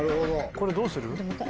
これどうする？